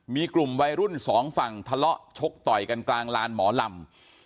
มีกลุ่มวัยรุ่นสองฝั่งทะเลาะชกต่อยกันกลางลานหมอลำ